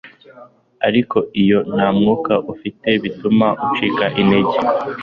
ariko iyo ntamwuka ufite bituma ucika intege